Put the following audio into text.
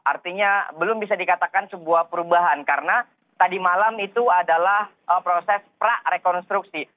artinya belum bisa dikatakan sebuah perubahan karena tadi malam itu adalah proses prarekonstruksi